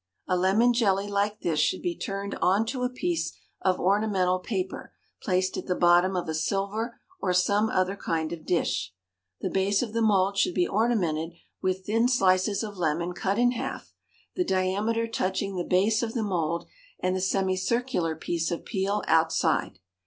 A lemon jelly like this should be turned on to a piece of ornamental paper placed at the bottom of a silver or some other kind of dish. The base of the mould should be ornamented with thin slices of lemon cut in half, the diameter touching the base of the mould and the semicircular piece of peel outside.